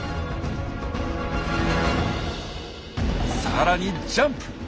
さらにジャンプ。